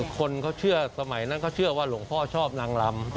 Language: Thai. คนเขาเชื่อสมัยนั้นเขาเชื่อว่าหลวงพ่อชอบนางลำ